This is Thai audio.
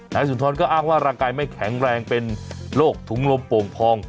นายสุนทรก็อ้างว่าร่างกายไม่แข็งแรงเป็นโรคถุงลมโป่งพอง